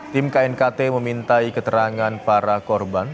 tim knkt memintai keterangan para korban